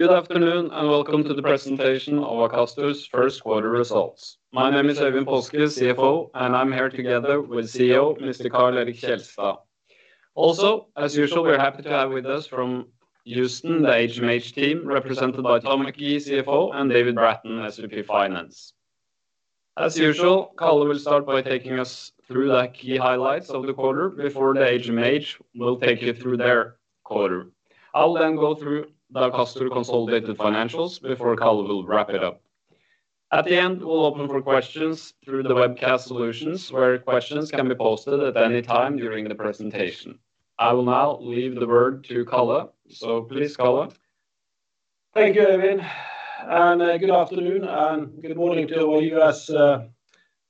Good afternoon and welcome to the presentation of Akastor's first quarter results. My name is Øyvind Paaske, CFO, and I'm here together with CEO Mr. Karl Erik Kjelstad. Also, as usual, we're happy to have with us from Houston the HMH team represented by Tom McGee, CFO, and David Bratton, SVP Finance. As usual, Kalle will start by taking us through the key highlights of the quarter before the HMH will take you through their quarter. I'll then go through the Akastor consolidated financials before Kalle will wrap it up. At the end, we'll open for questions through the webcast solutions where questions can be posted at any time during the presentation. I will now leave the word to Kalle, so please, Kalle. Thank you, Øyvind. Good afternoon and good morning to all U.S.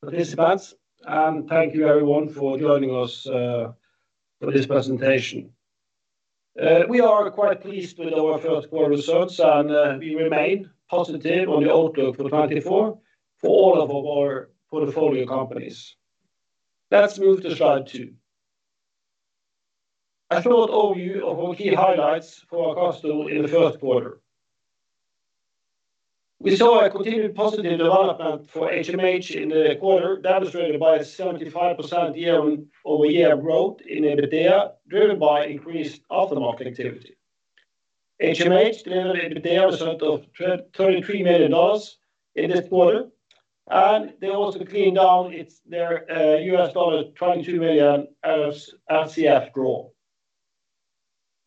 participants, and thank you everyone for joining us for this presentation. We are quite pleased with our first quarter results, and we remain positive on the outlook for 2024 for all of our portfolio companies. Let's move to slide 2. A short overview of our key highlights for Akastor in the first quarter. We saw a continued positive development for HMH in the quarter demonstrated by a 75% year-over-year growth in EBITDA driven by increased aftermarket activity. HMH delivered an EBITDA result of $33 million in this quarter, and they also cleaned down their $22 million RCF draw. The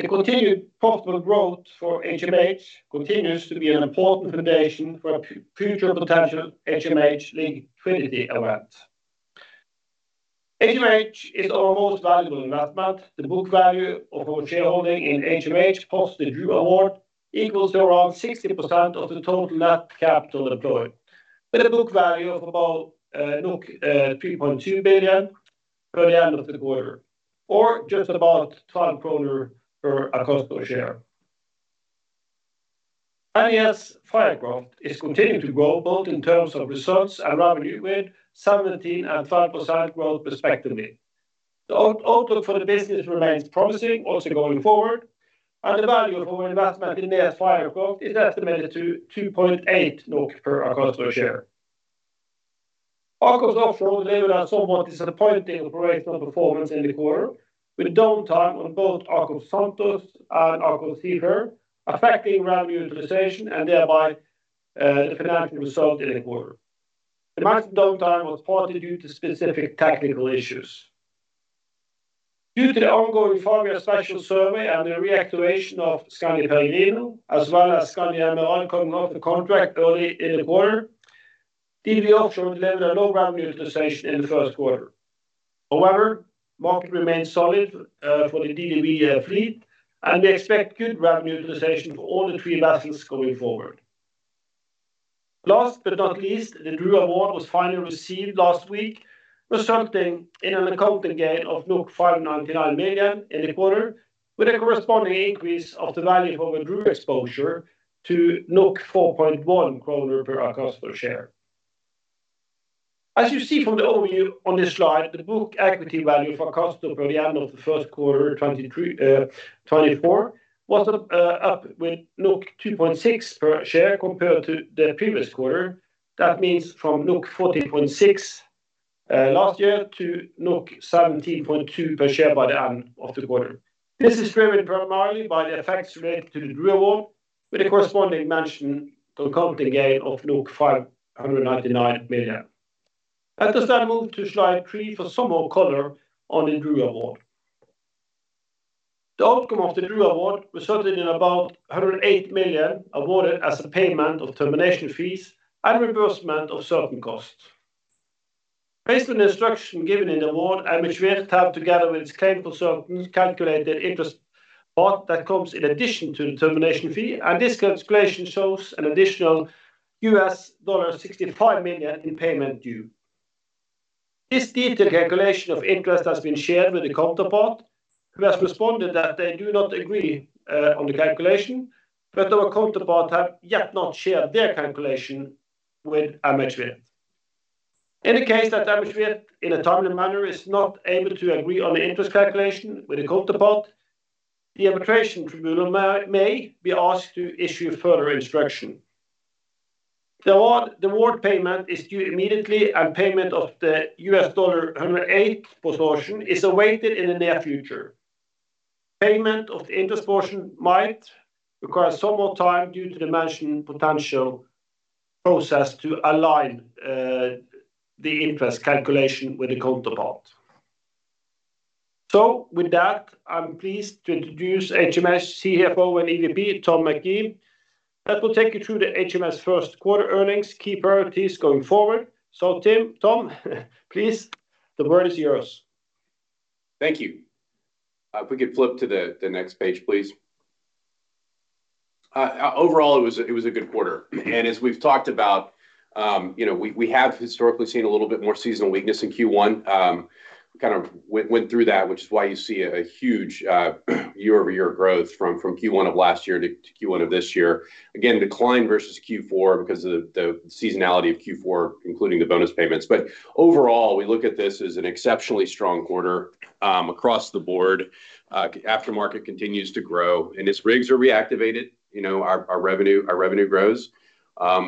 continued profitable growth for HMH continues to be an important foundation for a future potential HMH liquidity event. HMH is our most valuable investment. The book value of our shareholding in HMH post the DRU award equals around 60% of the total net capital employed, with a book value of about 3.2 billion per the end of the quarter, or just about 12 kroner per Akastor share. And yes, Fircroft is continuing to grow both in terms of results and revenue with 17% and 12% growth respectively. The outlook for the business remains promising also going forward, and the value of our investment in NES Fircroft is estimated to 2.8 NOK per Akastor share. AKOFS Offshore delivered a somewhat disappointing operational performance in the quarter with downtime on both AKOFS Santos and AKOFS Seafarer, affecting revenue utilization and thereby the financial result in the quarter. The maximum downtime was partly due to specific technical issues. Due to the ongoing five-year special survey and the reactivation of Skandi Peregrino, as well as Skandi Emerald coming off the contract early in the quarter, DDW Offshore delivered a low revenue utilization in the first quarter. However, market remained solid for the DDW fleet, and we expect good revenue utilization for all the three vessels going forward. Last but not least, the DRU award was finally received last week, resulting in an accounting gain of 599 million in the quarter with a corresponding increase of the value of our DRU exposure to 4.1 kroner per Akastor share. As you see from the overview on this slide, the book equity value for Akastor at the end of the first quarter 2024 was up by 2.6 per share compared to the previous quarter. That means from 14.6 last year to 17.2 per share by the end of the quarter. This is driven primarily by the effects related to the DRU award with a corresponding mentioned accounting gain of 599 million. Let us then move to slide 3 for some more color on the DRU award. The outcome of the DRU award resulted in about $108 million awarded as a payment of termination fees and reimbursement of certain costs. Based on the instruction given in the award, MHWirth together with its claim consultants calculated interest part that comes in addition to the termination fee, and this calculation shows an additional $65 million in payment due. This detailed calculation of interest has been shared with the counterpart, who has responded that they do not agree on the calculation, but our counterpart have yet not shared their calculation with MHWirth. In the case that MHWirth in a timely manner is not able to agree on the interest calculation with the counterpart, the arbitration tribunal may be asked to issue further instruction. The award payment is due immediately, and payment of the $108 portion is awaited in the near future. Payment of the interest portion might require some more time due to the mentioned potential process to align the interest calculation with the counterpart. So with that, I'm pleased to introduce HMH CFO and EVP, Tom McGee. That will take you through the HMH first quarter earnings, key priorities going forward. So Tim, Tom, please, the word is yours. Thank you. If we could flip to the next page, please. Overall, it was a good quarter. And as we've talked about, we have historically seen a little bit more seasonal weakness in Q1. We kind of went through that, which is why you see a huge year-over-year growth from Q1 of last year to Q1 of this year. Again, decline versus Q4 because of the seasonality of Q4, including the bonus payments. But overall, we look at this as an exceptionally strong quarter across the board. Aftermarket continues to grow, and its rigs are reactivated. Our revenue grows.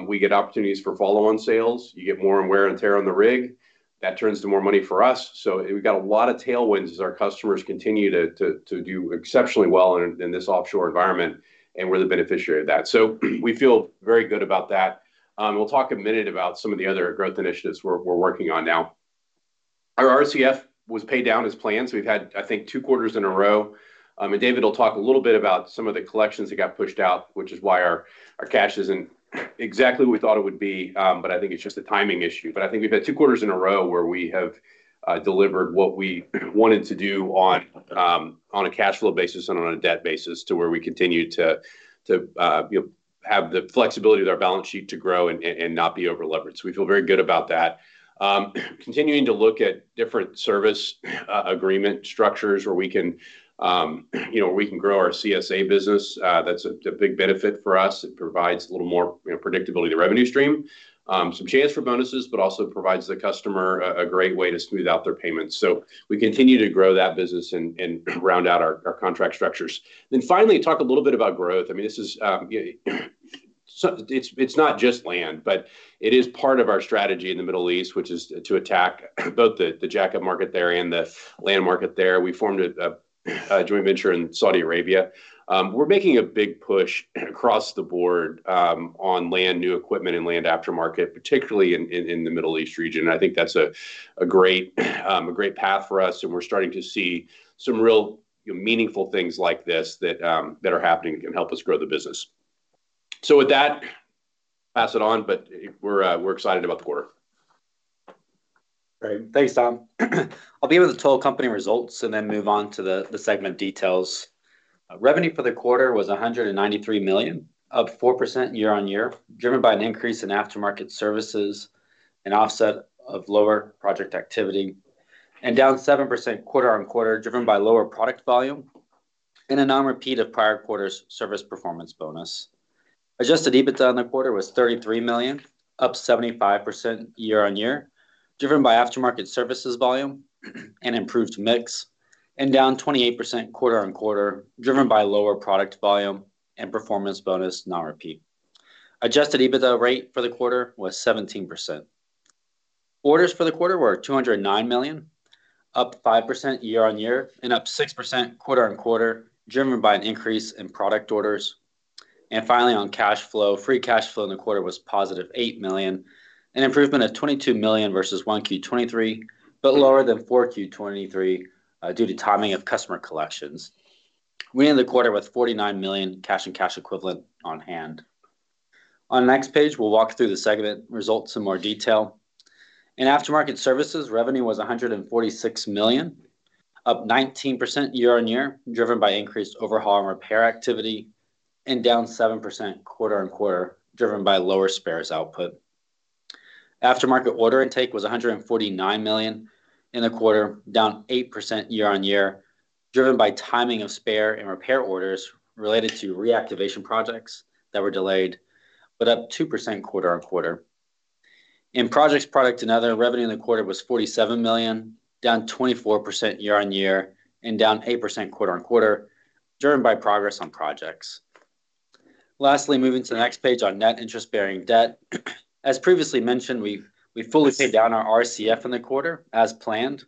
We get opportunities for follow-on sales. You get more and wear and tear on the rig. That turns to more money for us. So we've got a lot of tailwinds as our customers continue to do exceptionally well in this offshore environment, and we're the beneficiary of that. So we feel very good about that. We'll talk a minute about some of the other growth initiatives we're working on now. Our RCF was paid down as planned. So we've had, I think, two quarters in a row. And David will talk a little bit about some of the collections that got pushed out, which is why our cash isn't exactly what we thought it would be, but I think it's just a timing issue. But I think we've had two quarters in a row where we have delivered what we wanted to do on a cash flow basis and on a debt basis to where we continue to have the flexibility of our balance sheet to grow and not be overlevered. So we feel very good about that. Continuing to look at different service agreement structures where we can grow our CSA business. That's a big benefit for us. It provides a little more predictability to the revenue stream. Some chance for bonuses, but also provides the customer a great way to smooth out their payments. So we continue to grow that business and round out our contract structures. Then finally, talk a little bit about growth. I mean, it's not just land, but it is part of our strategy in the Middle East, which is to attack both the jacket market there and the land market there. We formed a joint venture in Saudi Arabia. We're making a big push across the board on land, new equipment, and land aftermarket, particularly in the Middle East region. And I think that's a great path for us, and we're starting to see some real meaningful things like this that are happening that can help us grow the business. With that, pass it on, but we're excited about the quarter. Great. Thanks, Tom. I'll be with the total company results and then move on to the segment details. Revenue for the quarter was 193 million, up 4% year-on-year, driven by an increase in aftermarket services and offset of lower project activity, and down 7% quarter-on-quarter, driven by lower product volume and a non-repeat of prior quarters' service performance bonus. Adjusted EBITDA on the quarter was 33 million, up 75% year-on-year, driven by aftermarket services volume and improved mix, and down 28% quarter-on-quarter, driven by lower product volume and performance bonus non-repeat. Adjusted EBITDA rate for the quarter was 17%. Orders for the quarter were 209 million, up 5% year-on-year and up 6% quarter-on-quarter, driven by an increase in product orders. Finally, on cash flow, free cash flow in the quarter was positive 8 million, an improvement of 22 million versus 1Q2023, but lower than 4Q2023 due to timing of customer collections. We ended the quarter with 49 million cash and cash equivalents on hand. On the next page, we'll walk through the segment results in more detail. In aftermarket services, revenue was 146 million, up 19% year-over-year, driven by increased overhaul and repair activity, and down 7% quarter-over-quarter, driven by lower spares output. Aftermarket order intake was 149 million in the quarter, down 8% year-over-year, driven by timing of spare and repair orders related to reactivation projects that were delayed, but up 2% quarter-over-quarter. In projects product to another, revenue in the quarter was 47 million, down 24% year-over-year, and down 8% quarter-over-quarter, driven by progress on projects. Lastly, moving to the next page on net interest-bearing debt. As previously mentioned, we fully paid down our RCF in the quarter as planned.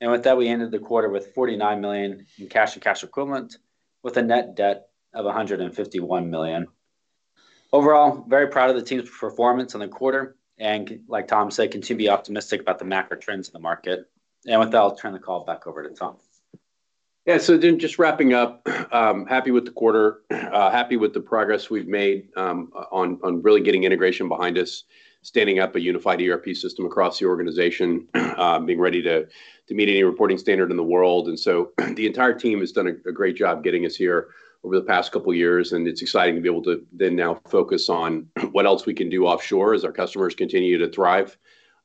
And with that, we ended the quarter with 49 million in cash and cash equivalent, with a net debt of 151 million. Overall, very proud of the team's performance in the quarter and, like Tom said, continue to be optimistic about the macro trends in the market. And with that, I'll turn the call back over to Tom. Yeah. So just wrapping up, happy with the quarter, happy with the progress we've made on really getting integration behind us, standing up a unified ERP system across the organization, being ready to meet any reporting standard in the world. And so the entire team has done a great job getting us here over the past couple of years, and it's exciting to be able to then now focus on what else we can do offshore as our customers continue to thrive,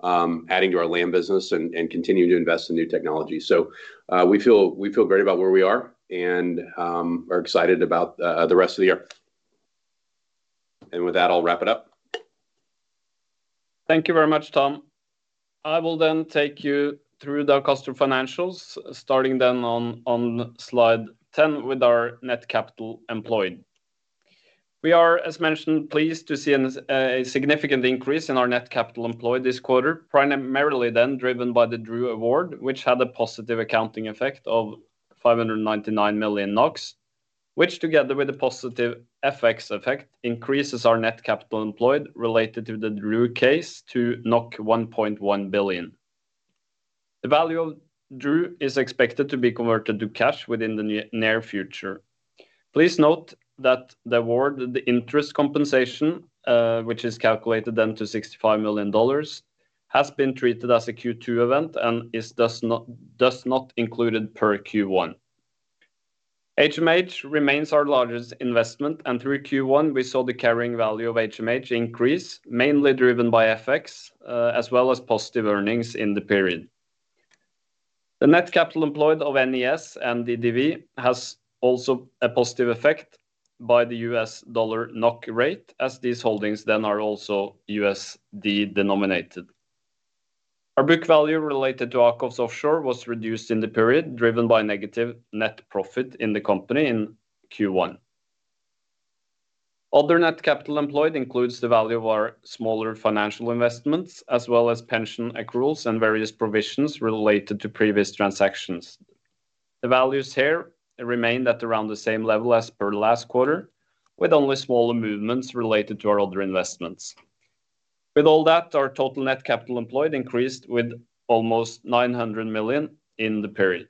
adding to our land business and continuing to invest in new technology. So we feel great about where we are and are excited about the rest of the year. And with that, I'll wrap it up. Thank you very much, Tom. I will then take you through the Akastor financials, starting then on slide 10 with our net capital employed. We are, as mentioned, pleased to see a significant increase in our net capital employed this quarter, primarily then driven by the DRU award, which had a positive accounting effect of 599 million NOK, which together with a positive FX effect increases our net capital employed related to the DRU case to 1.1 billion. The value of DRU is expected to be converted to cash within the near future. Please note that the award, the interest compensation, which is calculated then to $65 million, has been treated as a Q2 event and is thus not included per Q1. HMH remains our largest investment, and through Q1, we saw the carrying value of HMH increase, mainly driven by FX as well as positive earnings in the period. The net capital employed of NES and DDW has also a positive effect by the USD NOK rate, as these holdings then are also USD denominated. Our book value related to AKOFS Offshore was reduced in the period, driven by negative net profit in the company in Q1. Other net capital employed includes the value of our smaller financial investments as well as pension accruals and various provisions related to previous transactions. The values here remained at around the same level as per last quarter, with only smaller movements related to our other investments. With all that, our total net capital employed increased with almost 900 million in the period.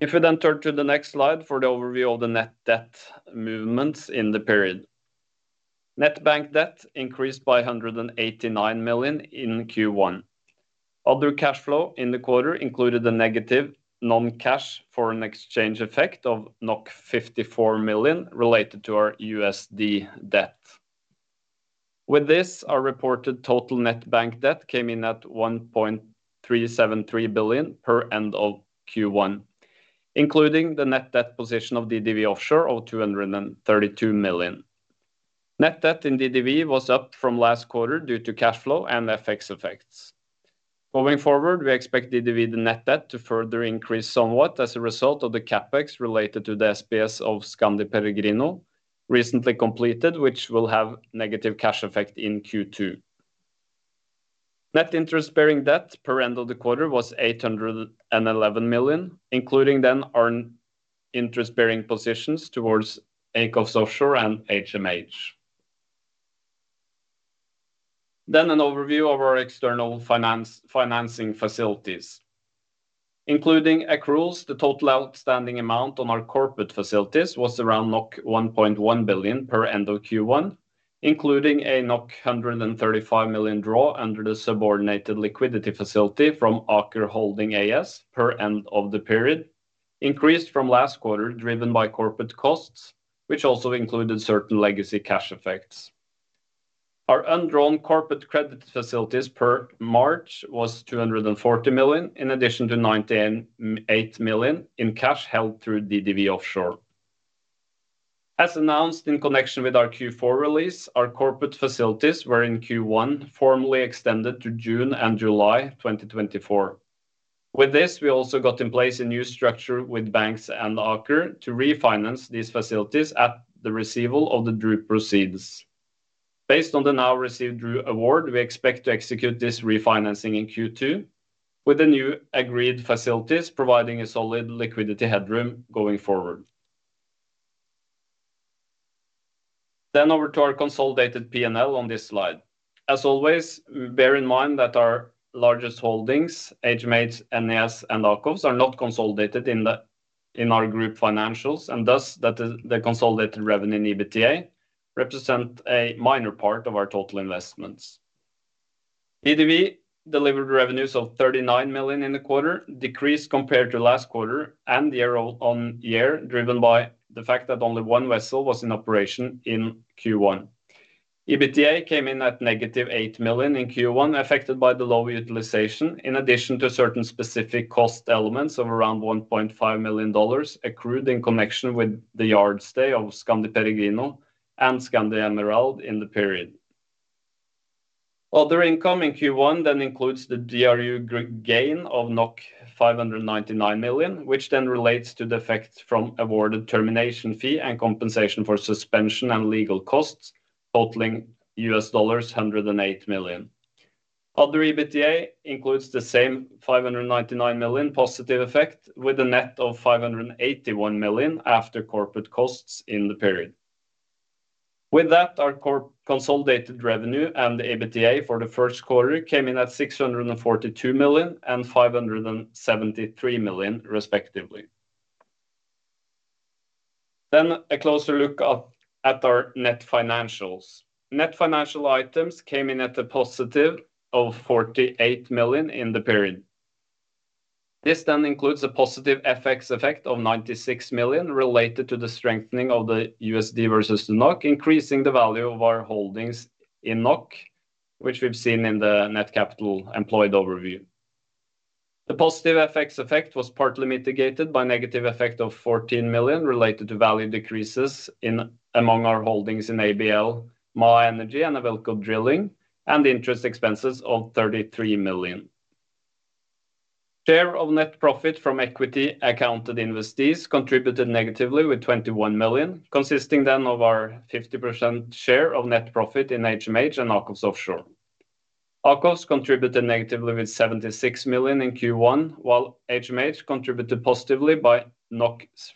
If we then turn to the next slide for the overview of the net debt movements in the period. Net bank debt increased by 189 million in Q1. Other cash flow in the quarter included a negative non-cash foreign exchange effect of 54 million related to our USD debt. With this, our reported total net bank debt came in at 1.373 billion per end of Q1, including the net debt position of DDW Offshore of 232 million. Net debt in DDW was up from last quarter due to cash flow and FX effects. Going forward, we expect DDW the net debt to further increase somewhat as a result of the CapEx related to the SPS of Skandi Peregrino, recently completed, which will have negative cash effect in Q2. Net interest-bearing debt per end of the quarter was 811 million, including then our interest-bearing positions towards AKOFS Offshore and HMH. An overview of our external financing facilities. Including accruals, the total outstanding amount on our corporate facilities was around 1.1 billion as of end of Q1, including a 135 million draw under the subordinated liquidity facility from Aker Holding AS as of end of the period, increased from last quarter driven by corporate costs, which also included certain legacy cash effects. Our undrawn corporate credit facilities as of March were 240 million in addition to 98 million in cash held through DDW Offshore. As announced in connection with our Q4 release, our corporate facilities were in Q1 formally extended to June and July 2024. With this, we also got in place a new structure with banks and Aker to refinance these facilities at the receipt of the DRU proceeds. Based on the now received DRU award, we expect to execute this refinancing in Q2 with the new agreed facilities providing a solid liquidity headroom going forward. Then over to our consolidated P&L on this slide. As always, bear in mind that our largest holdings, HMH, NES, and AKOFS, are not consolidated in our group financials, and thus the consolidated revenue in EBITDA represents a minor part of our total investments. DDW delivered revenues of 39 million in the quarter, decreased compared to last quarter and year-on-year, driven by the fact that only one vessel was in operation in Q1. EBITDA came in at negative 8 million in Q1, affected by the low utilization, in addition to certain specific cost elements of around $1.5 million accrued in connection with the yard stay of Skandi Peregrino and Skandi Emerald in the period. Other income in Q1 then includes the DRU gain of 599 million, which then relates to the effect from awarded termination fee and compensation for suspension and legal costs, totaling $108 million. Other EBITDA includes the same 599 million positive effect with a net of 581 million after corporate costs in the period. With that, our consolidated revenue and the EBITDA for the first quarter came in at 642 million and 573 million, respectively. Then a closer look at our net financials. Net financial items came in at a positive of 48 million in the period. This then includes a positive FX effect of 96 million related to the strengthening of the US dollar versus the Norwegian krone, increasing the value of our holdings in NOK, which we've seen in the net capital employed overview. The positive FX effect was partly mitigated by a negative effect of 14 million related to value decreases among our holdings in ABL, Maha Energy, and Awilco Drilling, and the interest expenses of 33 million. Share of net profit from equity accounted investees contributed negatively with 21 million, consisting then of our 50% share of net profit in HMH and AKOFS Offshore. AKOFS contributed negatively with 76 million in Q1, while HMH contributed positively by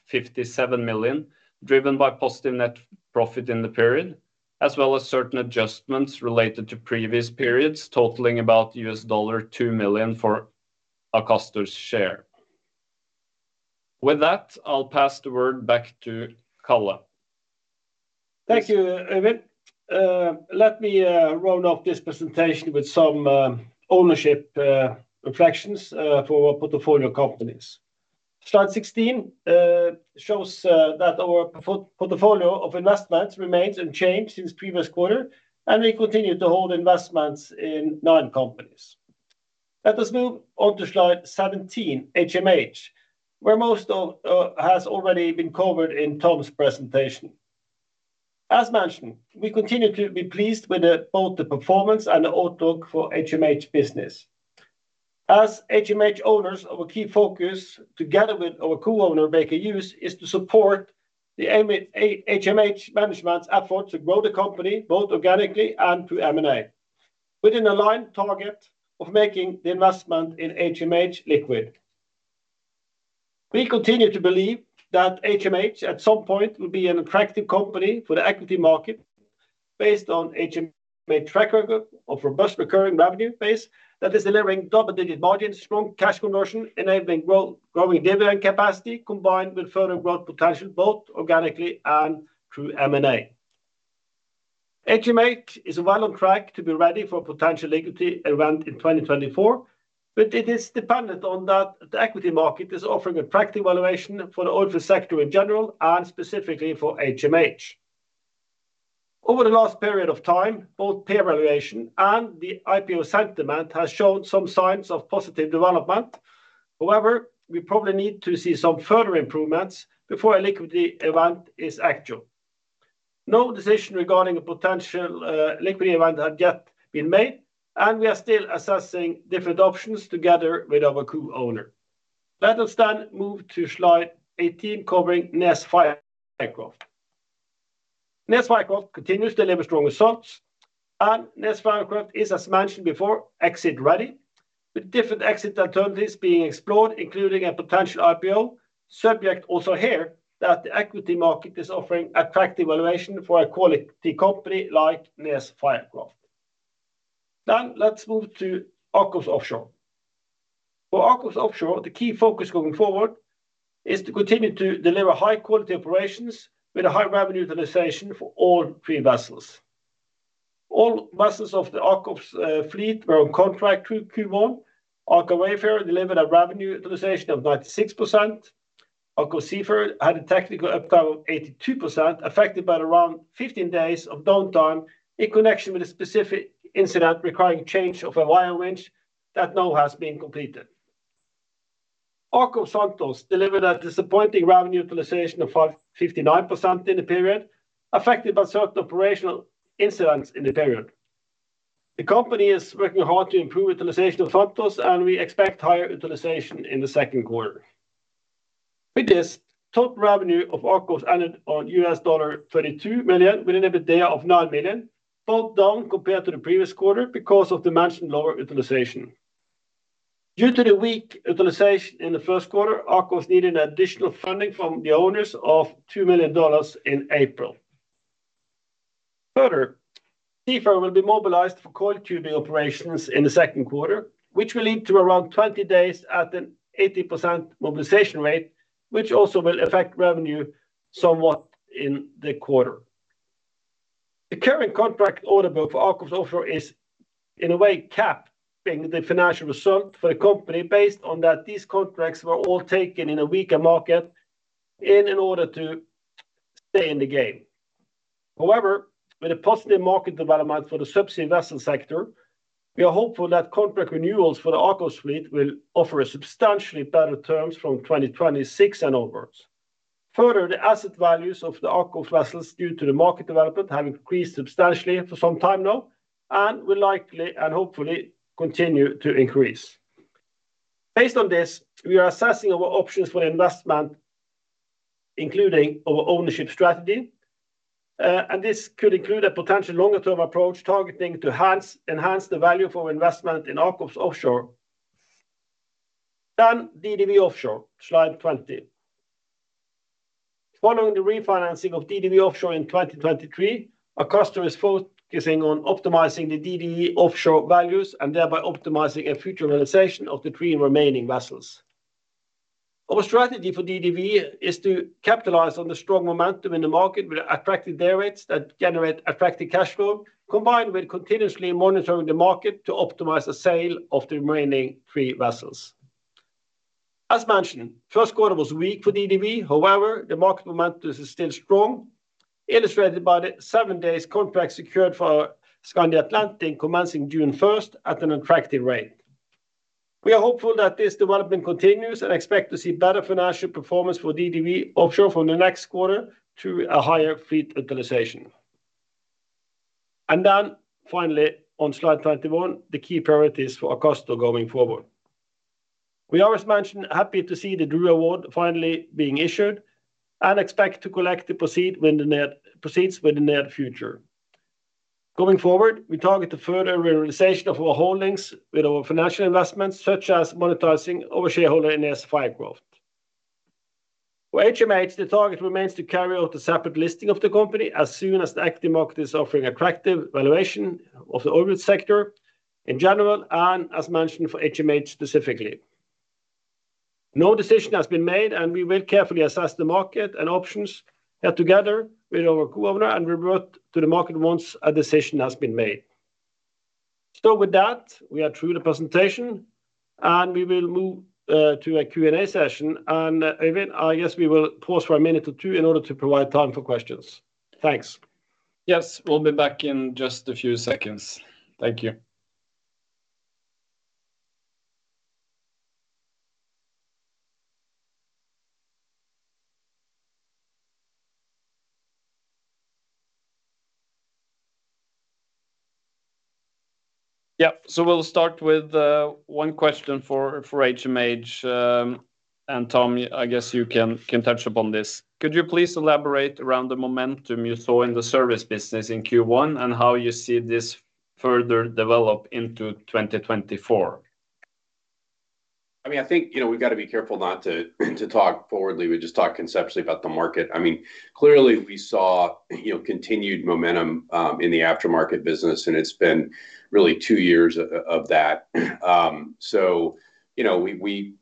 57 million, driven by positive net profit in the period, as well as certain adjustments related to previous periods, totaling about $2 million for Akastor's share. With that, I'll pass the word back to Kalle. Thank you, Øyvind. Let me round off this presentation with some ownership reflections for our portfolio companies. Slide 16 shows that our portfolio of investments remains unchanged since previous quarter, and we continue to hold investments in nine companies. Let us move on to slide 17, HMH, where most has already been covered in Tom's presentation. As mentioned, we continue to be pleased with both the performance and the outlook for HMH business. As HMH owners, our key focus, together with our co-owner Baker Hughes, is to support the HMH management's effort to grow the company both organically and through M&A, within a line target of making the investment in HMH liquid. We continue to believe that HMH at some point will be an attractive company for the equity market based on HMH's track record of robust recurring revenue base that is delivering double-digit margins, strong cash conversion, enabling growing dividend capacity combined with further growth potential both organically and through M&A. HMH is well on track to be ready for potential liquidity event in 2024, but it is dependent on that the equity market is offering attractive valuation for the oilfield sector in general and specifically for HMH. Over the last period of time, both peer valuation and the IPO sentiment have shown some signs of positive development. However, we probably need to see some further improvements before a liquidity event is actual. No decision regarding a potential liquidity event had yet been made, and we are still assessing different options together with our co-owner. Let us then move to slide 18 covering NES Fircroft. NES Fircroft continues to deliver strong results, and NES Fircroft is, as mentioned before, exit-ready, with different exit alternatives being explored, including a potential IPO, subject also here that the equity market is offering attractive valuation for a quality company like NES Fircroft. Then let's move to AKOFS Offshore. For AKOFS Offshore, the key focus going forward is to continue to deliver high-quality operations with a high revenue utilization for all three vessels. All vessels of the AKOFS fleet were on contract through Q1. Aker Wayfarer delivered a revenue utilization of 96%. AKOFS Seafarer had a technical uptime of 82%, affected by around 15 days of downtime in connection with a specific incident requiring change of a wire winch that now has been completed. AKOFS Santos delivered a disappointing revenue utilization of 59% in the period, affected by certain operational incidents in the period. The company is working hard to improve utilization of Santos, and we expect higher utilization in the second quarter. With this, total revenue of AKOFS ended on $32 million with an EBITDA of $9 million, both down compared to the previous quarter because of the mentioned lower utilization. Due to the weak utilization in the first quarter, AKOFS needed additional funding from the owners of $2 million in April. Further, Seafarer will be mobilized for coil tubing operations in the second quarter, which will lead to around 20 days at an 80% mobilization rate, which also will affect revenue somewhat in the quarter. The current contract order book for AKOFS Offshore is, in a way, capping the financial result for the company based on that these contracts were all taken in a weaker market in order to stay in the game. However, with a positive market development for the subsea vessel sector, we are hopeful that contract renewals for the AKOFS Offshore's fleet will offer substantially better terms from 2026 onward. Further, the asset values of the AKOFS Offshore's vessels due to the market development have increased substantially for some time now and will likely and hopefully continue to increase. Based on this, we are assessing our options for the investment, including our ownership strategy. This could include a potential longer-term approach targeting to enhance the value for our investment in AKOFS Offshore. Then, DDW Offshore, slide 20. Following the refinancing of DDW Offshore in 2023, Akastor is focusing on optimizing the DDW Offshore values and thereby optimizing a future realization of the 3 remaining vessels. Our strategy for DDW Offshore is to capitalize on the strong momentum in the market with attractive day rates that generate attractive cash flow, combined with continuously monitoring the market to optimize the sale of the remaining 3 vessels. As mentioned, first quarter was weak for DDW Offshore. However, the market momentum is still strong, illustrated by the 7-day contract secured for our Skandi Atlantic commencing June 1 at an attractive rate. We are hopeful that this development continues and expect to see better financial performance for DDW Offshore from the next quarter through a higher fleet utilization. And then, finally, on slide 21, the key priorities for Akastor going forward. We're always happy to see the DRU award finally being issued and expect to collect the proceeds within the near future. Going forward, we target a further realization of our holdings with our financial investments, such as monetizing our shareholding in NES Fircroft. For HMH, the target remains to carry out a separate listing of the company as soon as the equity market is offering attractive valuation of the oilfield sector in general and, as mentioned, for HMH specifically. No decision has been made, and we will carefully assess the market and options here together with our co-owner and revert to the market once a decision has been made. With that, we are through the presentation, and we will move to a Q&A session. Øyvind, I guess we will pause for a minute or two in order to provide time for questions. Thanks. Yes. We'll be back in just a few seconds. Thank you. Yeah. So we'll start with one question for HMH. And Tom, I guess you can touch upon this. Could you please elaborate around the momentum you saw in the service business in Q1 and how you see this further develop into 2024? I mean, I think we've got to be careful not to talk forwardly. We just talk conceptually about the market. I mean, clearly, we saw continued momentum in the aftermarket business, and it's been really two years of that. So we,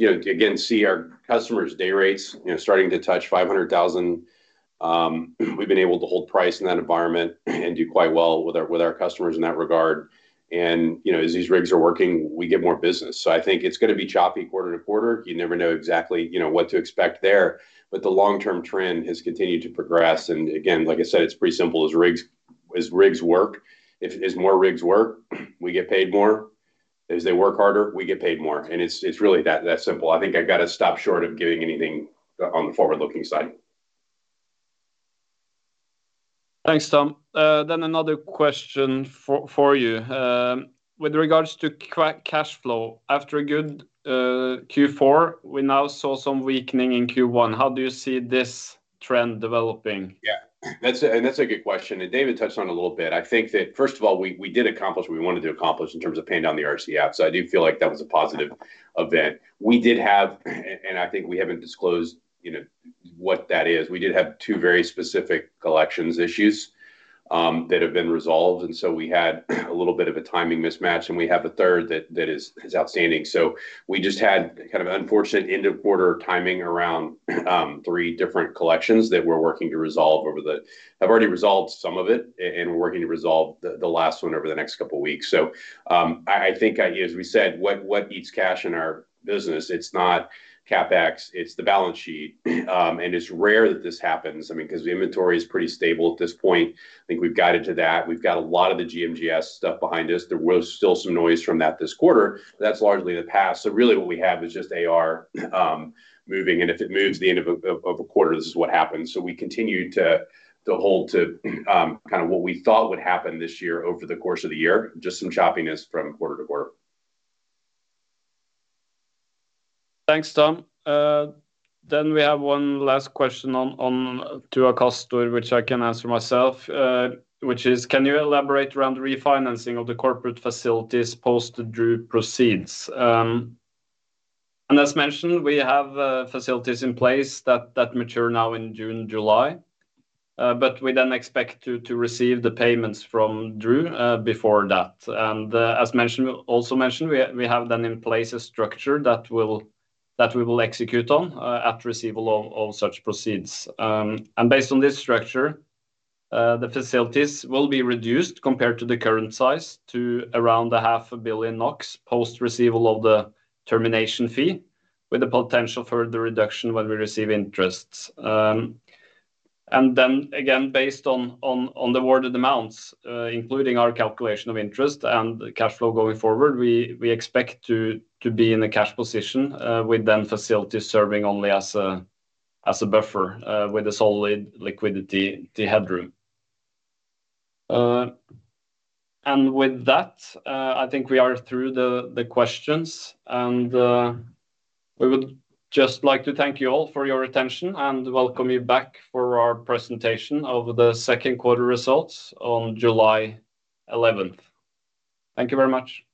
again, see our customers' day rates starting to touch $500,000. We've been able to hold price in that environment and do quite well with our customers in that regard. And as these rigs are working, we get more business. So I think it's going to be choppy quarter to quarter. You never know exactly what to expect there. But the long-term trend has continued to progress. And again, like I said, it's pretty simple. As rigs work, as more rigs work, we get paid more. As they work harder, we get paid more. And it's really that simple. I think I've got to stop short of giving anything on the forward-looking side. Thanks, Tom. Then another question for you. With regards to cash flow, after a good Q4, we now saw some weakening in Q1. How do you see this trend developing? Yeah. And that's a good question. And David touched on it a little bit. I think that, first of all, we did accomplish what we wanted to accomplish in terms of paying down the RCF. So I do feel like that was a positive event. We did have, and I think we haven't disclosed what that is, we did have two very specific collections issues that have been resolved. And so we had a little bit of a timing mismatch. And we have a third that is outstanding. So we just had kind of an unfortunate end-of-quarter timing around three different collections that we're working to resolve. We have already resolved some of it, and we're working to resolve the last one over the next couple of weeks. So I think, as we said, what eats cash in our business, it's not CapEx. It's the balance sheet. It's rare that this happens. I mean, because the inventory is pretty stable at this point. I think we've gotten to that. We've got a lot of the GMGS stuff behind us. There was still some noise from that this quarter. That's largely in the past. So really, what we have is just AR moving. And if it moves at the end of a quarter, this is what happens. So we continue to hold to kind of what we thought would happen this year over the course of the year, just some choppiness from quarter to quarter. Thanks, Tom. Then we have one last question to Akastor, which I can answer myself, which is, can you elaborate around the refinancing of the corporate facilities post-DRU proceeds? And as mentioned, we have facilities in place that mature now in June, July. But we then expect to receive the payments from DRU before that. And as also mentioned, we have then in place a structure that we will execute on at receival of such proceeds. And based on this structure, the facilities will be reduced compared to the current size to around 500 million NOK post-receival of the termination fee, with a potential further reduction when we receive interest. And then, again, based on the awarded amounts, including our calculation of interest and cash flow going forward, we expect to be in a cash position with the facilities serving only as a buffer with a solid liquidity headroom. And with that, I think we are through the questions. And we would just like to thank you all for your attention and welcome you back for our presentation of the second quarter results on July 11. Thank you very much.